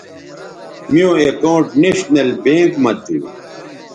میوں اکاؤنٹ نیشنل بینک مہ تھو